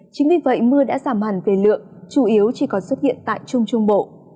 chính vì vậy mưa đã giảm hẳn về lượng chủ yếu chỉ còn xuất hiện tại trung trung bộ